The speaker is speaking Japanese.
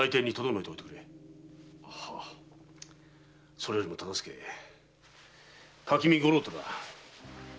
それよりも忠相垣見五郎太だ。